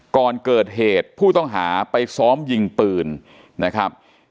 ก่อนเกิดเหตุผู้ต้องหาไปซ้อมยิงปืนนะครับ